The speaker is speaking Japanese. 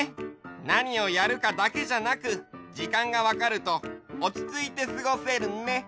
なにをやるかだけじゃなくじかんがわかるとおちついてすごせるね。